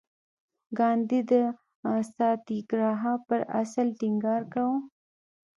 ګاندي د ساتیاګراها پر اصل ټینګار کاوه.